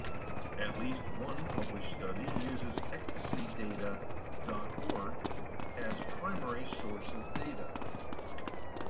At least one published study uses EcstasyData dot org as primary source of data.